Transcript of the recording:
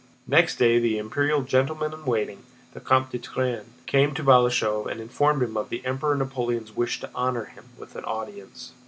Next day the imperial gentleman in waiting, the Comte de Turenne, came to Balashëv and informed him of the Emperor Napoleon's wish to honor him with an audience.